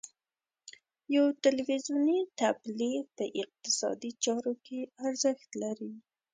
یو تلویزیوني تبلیغ په اقتصادي چارو کې ارزښت لري.